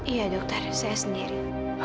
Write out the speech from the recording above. iya dokter saya sendiri